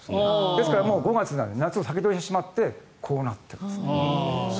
ですから、もう５月なので夏を先取りしてしまってこうなっているんですね。